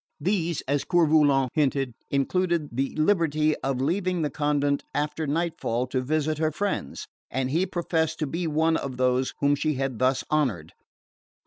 These, as Coeur Volant hinted, included the liberty of leaving the convent after night fall to visit her friends; and he professed to be one of those whom she had thus honoured.